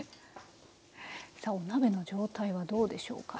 さあお鍋の状態はどうでしょうか？